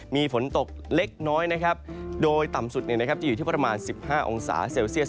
มีฝนตกเล็กน้อยนะครับโดยต่ำสุดจะอยู่ที่ประมาณ๑๕องศาเซลเซียส